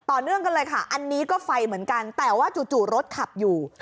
เนื่องกันเลยค่ะอันนี้ก็ไฟเหมือนกันแต่ว่าจู่รถขับอยู่